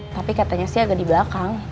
tapi katanya sih agak di belakang